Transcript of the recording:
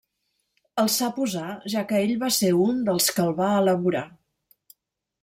El sap usar, ja que ell va ser un dels que el va elaborar.